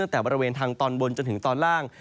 ตั้งแต่บริเวณทางตอนบนจนถึงตอนล่าง